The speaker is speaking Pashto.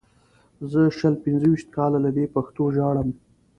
زه شل پنځه ویشت کاله له دې پښتو ژاړم.